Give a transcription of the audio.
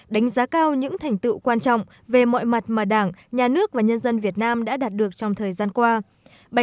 đánh giá cao những thành tựu quan trọng về mọi mặt mà đảng nhà nước và nhân dân việt nam đã đạt được trong thời gian qua